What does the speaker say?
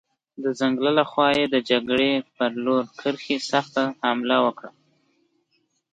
د ځنګل له خوا یې د جګړې پر لومړۍ کرښې سخته حمله وکړه.